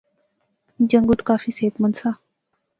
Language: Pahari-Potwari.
جنگت کافی صحت مند سا